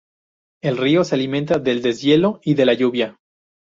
El río se alimenta del deshielo y de la lluvia.